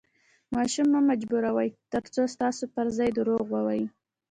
ماشوم مه مجبوروئ، ترڅو ستاسو پر ځای درواغ ووایي.